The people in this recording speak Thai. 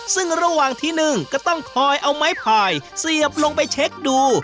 ซึ่งระหว่างที่นึ่งก็ต้องคอยเอาไม้พายเสียบลงไปเช็คดู